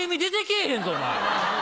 へんぞお前。